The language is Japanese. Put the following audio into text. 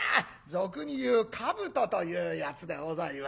俗に言うかぶとというやつでございます。